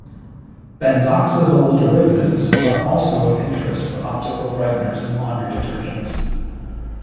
Benzoxazole derivatives are also of interest for optical brighteners in laundry detergents.